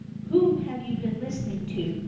" Whom have you been listening to ?